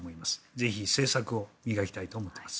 ぜひ政策を磨きたいと思っています。